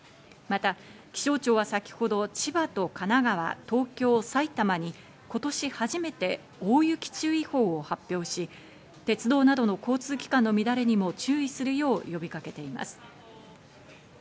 また気象庁は先ほど千葉と神奈川、東京、埼玉に今年初めて大雪注意報を発表し、鉄道などの交通機関の乱れにも注意するよう呼びかけています。